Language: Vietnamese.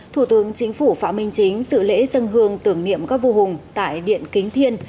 thủ tướng chính phủ phạm minh chính dự lễ dân hương tưởng niệm các vua hùng tại điện kính thiên